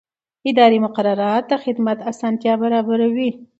اداري مقررات د خدمت اسانتیا برابروي.